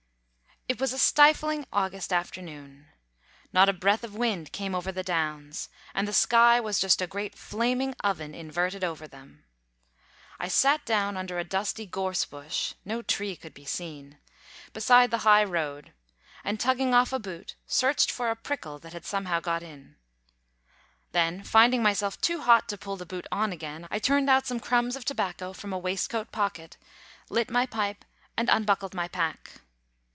It was a stifling August afternoon. Not a breath of wind came over the downs, and the sky was just a great flaming oven inverted over them. I sat down under a dusty gorse bush (no tree could be seen) beside the high road, and tugging off a boot, searched for a prickle that somehow had got into it. Then, finding myself too hot to pull the boot on again, I turned out some crumbs of tobacco from a waistcoat pocket, lit my pipe, and unbuckled my pack.